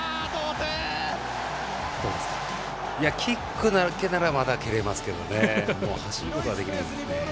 キックだけならまだ蹴れますけど走ることができないですね。